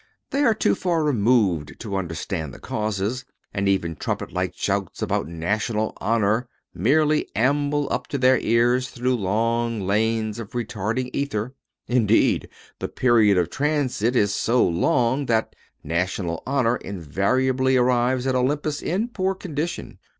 They are too far removed to understand causes, and even trumpet like shouts about national honor merely amble up to their ears through long lanes of retarding ether. Indeed, the period of transit is so long that national honor invariably arrives at Olympus in poor condition.